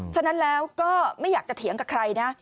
ฉะนั้นแล้วก็ไม่อยากจะเถียงกับใครนะ